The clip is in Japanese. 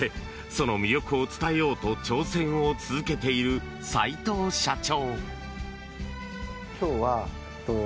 その魅力を伝えようと挑戦を続けている齋藤社長。